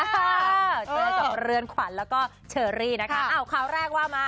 เจอกับเรือนขวัญแล้วก็เชอรี่นะคะอ้าวข่าวแรกว่ามา